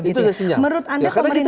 itu sudah menjadi sinyal